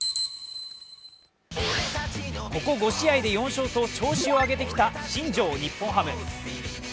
ここ５試合で４勝と、調子を上げてきた新庄日本ハム。